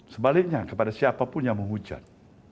sebaliknya kepada siapapun yang menghujan